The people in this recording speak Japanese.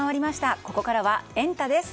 ここからはエンタ！です。